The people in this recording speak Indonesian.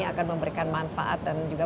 akan memberikan manfaat dan juga